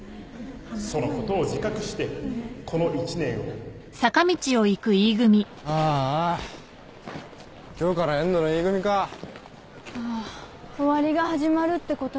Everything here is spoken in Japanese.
そのことを自覚してこの１年をあーあ今日から「ＥＮＤのＥ組」かあー「終わり」が始まるってことね